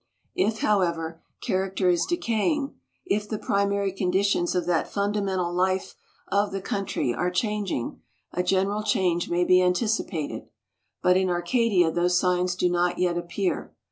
If, however, character is decaying, if the primary conditions of that fundamental life of the country are changing, a general change may be anticipated. But in Arcadia those signs do not yet appear.